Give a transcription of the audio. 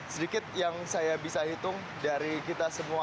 sedikit yang saya bisa hitung dari kita semua